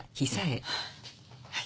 はい。